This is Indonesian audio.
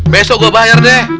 besok gua bayar deh